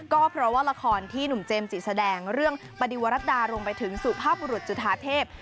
ก็เพราะว่าละครที่หนุ่มเจมส์จิแสดงเรื่องปฏิวรัตดารวมไปถึงสุภาพบุรุษจุธาเทพ